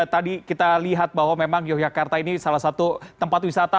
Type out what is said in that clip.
tadi kita lihat bahwa memang yogyakarta ini salah satu tempat wisata